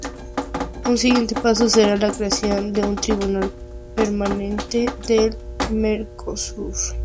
Un siguiente paso será la creación de un tribunal permanente del Mercosur.